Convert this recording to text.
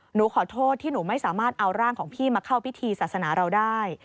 หนูขอโทษที่หนูไม่สามารถเอาร่างของพี่มาเข้าพิธีศาสนาเราได้